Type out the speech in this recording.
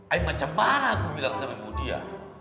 eh macam mana aku bilang sama bu dia